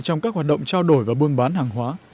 trong các hoạt động trao đổi và buôn bán hàng hóa